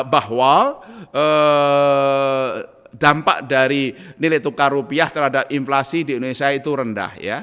bahwa dampak dari nilai tukar rupiah terhadap inflasi di indonesia itu rendah